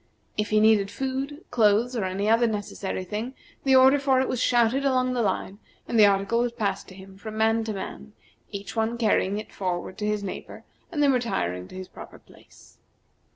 If he needed food, clothes, or any other necessary thing, the order for it was shouted along the line, and the article was passed to him from man to man, each one carrying it forward to his neighbor, and then retiring to his proper place.